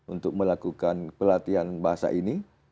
untuk melakukan pelatihan bahasa ini